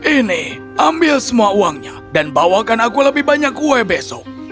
ini ambil semua uangnya dan bawakan aku lebih banyak kue besok